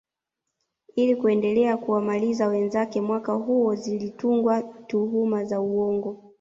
Ili kuendelea kuwamaliza wenzake mwaka huo zilitungwa tuhuma za uongo